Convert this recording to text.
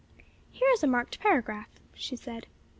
"Here is a marked paragraph," she said.